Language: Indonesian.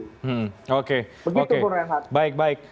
begitu pun rehat